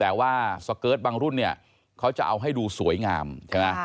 แต่ว่าสเกิร์ตบางรุ่นเนี่ยเขาจะเอาให้ดูสวยงามใช่ไหม